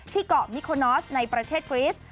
เกาะมิโคนอสในประเทศกริส